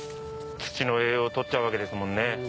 土の栄養取っちゃうわけですもんね。